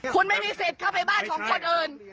คุณไม่มีสิทธิ์เข้าไปบ้านของคนอื่น